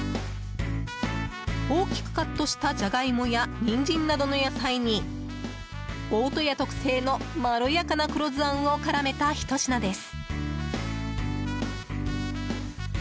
大きくカットしたジャガイモやニンジンなどの野菜に大戸屋特製のまろやかな黒酢あんを絡めたひと品です。